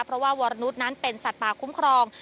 เพราะว่าวรนุษย์นั้นเป็นสัตว์ป่าคุ้มครอง